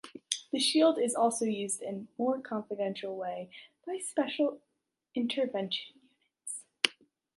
The shield is also used in a more confidential way by special intervention units.